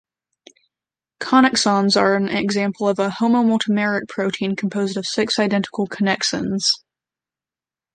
Connexons are an example of a homomultimeric protein composed of six identical connexins.